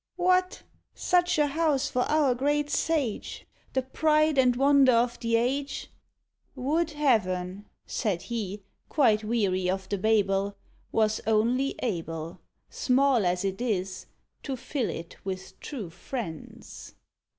"What! such a house for our great sage, The pride and wonder of the age!" "Would Heaven," said he, quite weary of the Babel, "Was only able. Small as it is, to fill it with true friends."